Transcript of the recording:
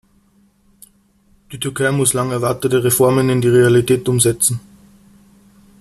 Die Türkei muss lang erwartete Reformen in die Realität umsetzen.